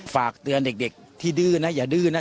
ฝากเตือนเด็กที่ดื้อนะอย่าดื้อนะ